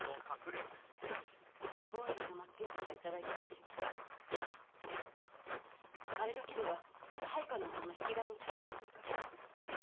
尾張の松屋から頂いた１万両あれだけでは配下の者の引退金に足りませぬか？